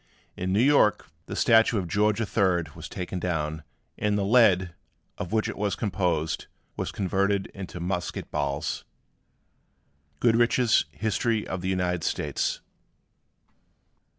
In New York, the statue of George III. was taken down; and the lead, of which it was composed, was converted into musket balls. GOODRICH'S HISTORY OF THE UNITED STATES.